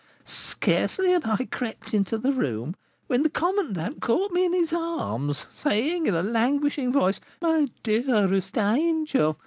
Scarcely had I crept into the room, when the commandant caught me in his arms, saying, in a languishing voice, 'My dearest angel!